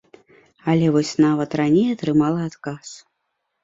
Але вось нават раней атрымала адказ.